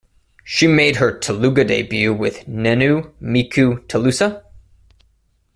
She made her Telugu Debut with Nenu Meeku Telusa...?